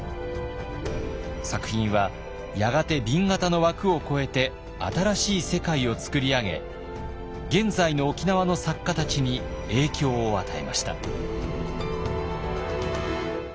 作品はやがて紅型の枠を超えて新しい世界を作り上げ現在の沖縄の作家たちに影響を与えました。